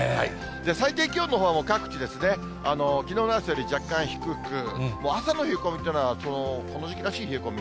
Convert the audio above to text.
最低気温のほうは各地、きのうの朝より若干低く、朝の冷え込みというのは、この時期らしい冷え込み。